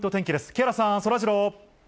木原さん、そらジロー。